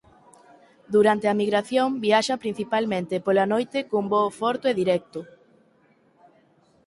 Durante a migración viaxa principalmente pola noite cun voo forte e directo.